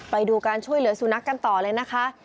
ไปดูการช่วยเหลือสุนัขกันต่อเลยนะคะ